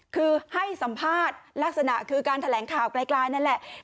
คือให้สัมภาษณ์ลักษณะคือการแถลงข่าวไกลนั่นแหละ